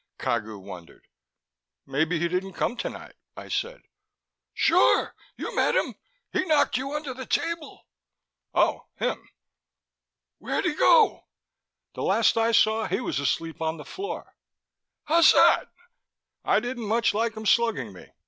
Cagu wondered. "Maybe he didn't come tonight," I said. "Sure, you met him; he knocked you under the table." "Oh, him?" "Where'd he go?" "The last I saw he was asleep on the floor," I said. "Hozzat?" "I didn't much like him slugging me.